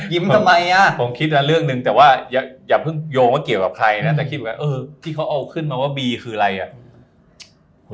ทำไมอ่ะผมคิดละเรื่องหนึ่งแต่ว่าอย่าเพิ่งโยงว่าเกี่ยวกับใครนะแต่คิดแบบเออที่เขาเอาขึ้นมาว่าบีคืออะไรอ่ะ